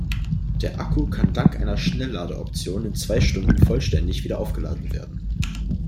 Der Akku kann dank einer Schnelllade-Option in zwei Stunden vollständig wieder aufgeladen werden.